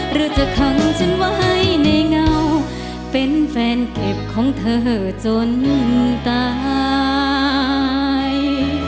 หรือจะขังฉันไว้ในเงาเป็นแฟนเก็บของเธอจนตาย